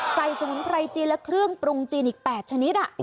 สมุนไพรจีนและเครื่องปรุงจีนอีก๘ชนิด